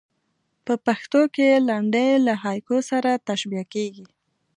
په پښتو کښي لنډۍ له هایکو سره تشبیه کېږي.